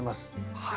はい。